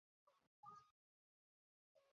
反正孙女也出生了